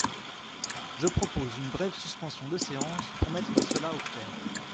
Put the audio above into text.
Je propose une brève suspension de séance pour mettre cela au clair.